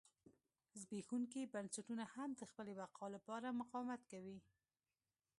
زبېښونکي بنسټونه هم د خپلې بقا لپاره مقاومت کوي.